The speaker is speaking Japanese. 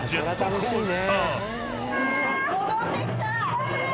戻ってきた！